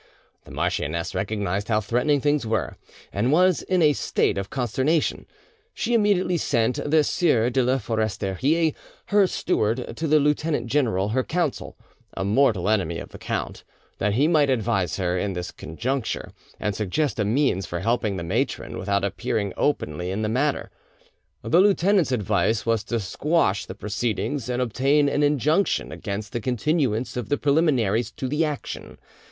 The marchioness recognised how threatening things were, and was in a state of consternation; she immediately sent the sieur de la Foresterie, her steward, to the lieutenant general, her counsel, a mortal enemy of the count, that he might advise her in this conjuncture, and suggest a means for helping the matron without appearing openly in the matter. The lieutenant's advice was to quash the proceedings and obtain an injunction against the continuance of the preliminaries to the action.